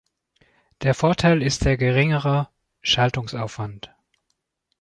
Der Vorteil ist der geringere Schaltungsaufwand.